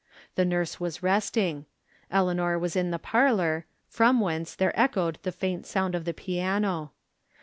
The nurse wa,s resting. Eleanor was in the parlor, from whence there echoed the faint sound of the piano.